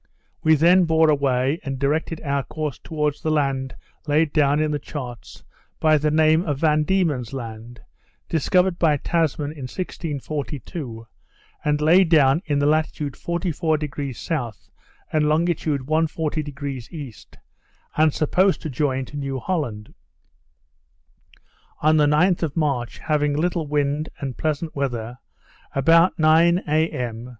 We then bore away, and directed our course towards the land laid down in the charts by the name of Van Diemen's Land, discovered by Tasman in 1642, and laid down in the latitude 44° S., and longitude 140° E., and supposed to join to New Holland. On the 9th of March, having little wind and pleasant weather, about nine a. m.